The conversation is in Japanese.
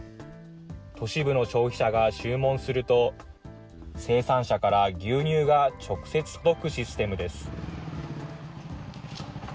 都市部の消費者が注文すると、生産者から牛乳が直接届くシステムです。